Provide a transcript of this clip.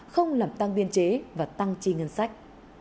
không làm tăng biên chế và tăng chi ngân sách